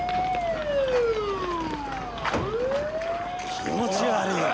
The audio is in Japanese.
気持ち悪いよ。